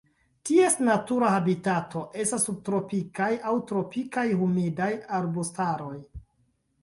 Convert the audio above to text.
Ties natura habitato estas subtropikaj aŭ tropikaj humidaj arbustaroj.